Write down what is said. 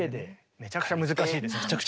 めちゃくちゃ難しい。